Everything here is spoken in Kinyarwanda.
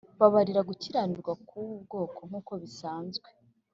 Babarira gukiranirwa k ubu bwoko nk uko bisanzwe